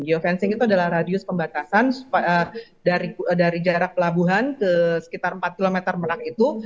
geofencing itu adalah radius pembatasan dari jarak pelabuhan ke sekitar empat km menak itu